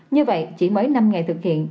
như vậy chỉ mới năm ngày thực hiện